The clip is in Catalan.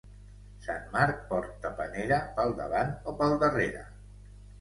Sant Marc porta panera pel davant o pel darrere.